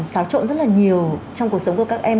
xáo trộn rất là nhiều trong cuộc sống của các em